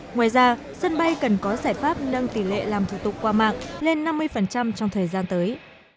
ngoài ra sân bay cần có giải pháp nâng tỷ lệ làm thủ tục qua mạng lên năm mươi trong thời gian tới